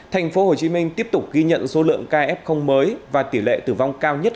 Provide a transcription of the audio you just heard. thành phố hồ chí minh tiếp tục ghi nhận số lượng ca f mới và tỷ lệ tử vong cao nhất